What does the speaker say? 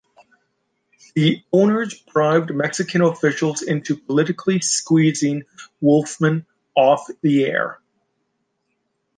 The owners bribed Mexican officials into politically squeezing Wolfman off the air.